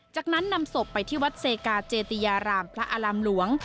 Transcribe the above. จากนั้นนำศพไปที่วัดเซกาเจติยารามพระอารามหลวง